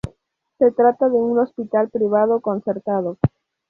Se trata de un hospital privado-concertado.